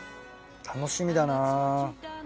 楽しみだな。